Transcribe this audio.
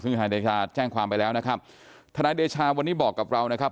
ซึ่งธนายเดชาแจ้งความไปแล้วนะครับทนายเดชาวันนี้บอกกับเรานะครับ